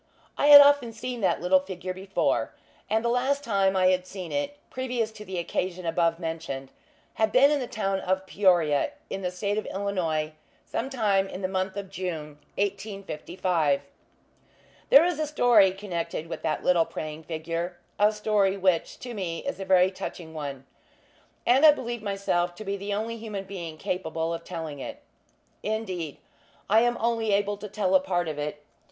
I had often seen that little figure before; and the last time I had seen it, previous to the occasion above mentioned, had been at the town of Peoria, in the State of Illinois, sometime in the month of June, 1855. There is a story connected with that little praying figure; a story, which, to me, is a very touching one; and I believe myself to be the only human being capable of telling it. Indeed, I am only able to tell a part of it.